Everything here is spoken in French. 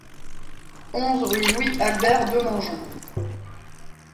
onze rue Louis Albert Demangeon